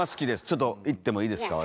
ちょっといってもいいですか？